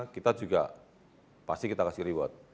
kita juga pasti kita kasih reward